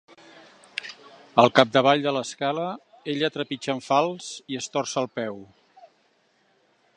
Al capdavall de l'escala ella trepitja en fals i es torça el peu.